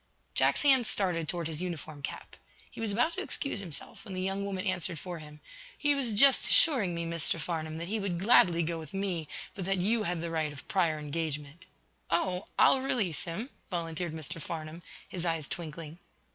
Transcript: Jack's hand started toward his uniform cap. He was about to excuse himself, when the young woman answered for him: "He was just assuring me, Mr. Farnum, that he would gladly go with me, but that you had the right of prior engagement." "Oh, I'll release, him," volunteered Mr. Farnum, his eyes twinkling.